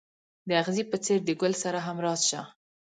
د اغزي په څېر د ګل سره همراز شه.